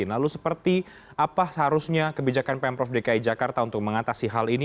lalu seperti apa seharusnya kebijakan pemprov dki jakarta untuk mengatasi hal ini